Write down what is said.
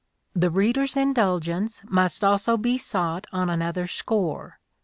The reader's indulgence must also be sought on another score.